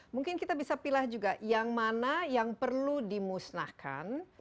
mungkin kita bisa pilih juga yang mana yang perlu dimusnahkan